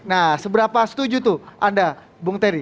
nah seberapa setuju tuh anda bung teri